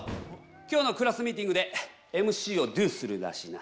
今日のクラスミーティングでＭＣをＤＯするらしいな。